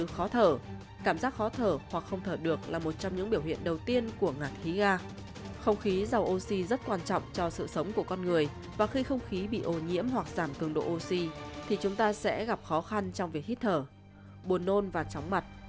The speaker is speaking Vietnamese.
không khí giàu oxy rất quan trọng cho sự sống của con người và khi không khí bị ồ nhiễm hoặc giảm cường độ oxy thì chúng ta sẽ gặp khó khăn trong việc hít thở buồn nôn và chóng mặt